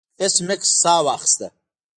ایس میکس ساه واخیسته